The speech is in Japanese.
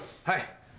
はい！